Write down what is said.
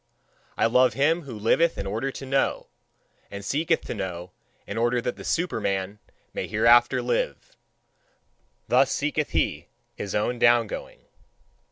I love him who liveth in order to know, and seeketh to know in order that the Superman may hereafter live. Thus seeketh he his own down going.